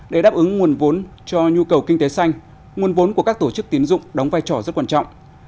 để đáp ứng nguồn vốn cho nhu cầu kinh tế xanh nguồn vốn của các tổ chức tiến dụng đóng vai trò rất quan trọng